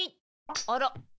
あら？